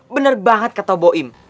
bener banget kata boim